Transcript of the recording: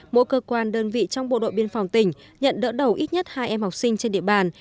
mỗi cơ quan đơn vị trong bộ đội biên phòng tỉnh nhận đỡ đầu ít nhất hai em học sinh trên địa bàn